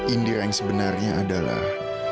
indira yang sebenarnya adalah